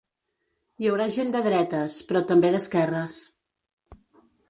Hi haurà gent de dretes, però també d’esquerres.